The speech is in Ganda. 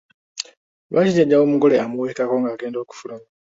Lwaki jjajja w'omugole amuweekako ng'agenda okufuluma?